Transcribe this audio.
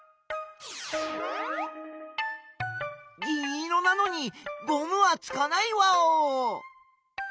銀色なのにゴムはつかないワオ！